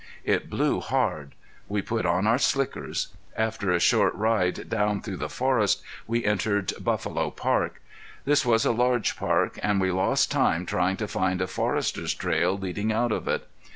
It blew hard. We put on our slickers. After a short ride down through the forest we entered Buffalo Park. This was a large park, and we lost time trying to find a forester's trail leading out of it.